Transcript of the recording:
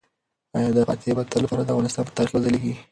آیا دغه فاتح به د تل لپاره د افغانستان په تاریخ کې وځلیږي؟